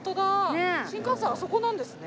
新幹線あそこなんですね。